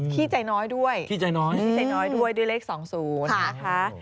ขี้ใจน้อยด้วยขี้ใจน้อยด้วยด้วยเลขสองศูนย์นะคะค่ะ